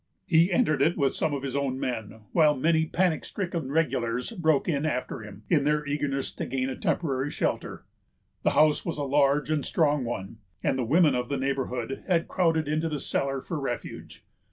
He entered it with some of his own men, while many panic stricken regulars broke in after him, in their eagerness to gain a temporary shelter. The house was a large and strong one, and the women of the neighborhood had crowded into the cellar for refuge.